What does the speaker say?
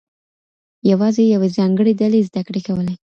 يوازې يوې ځانګړې ډلې زده کړې کولې.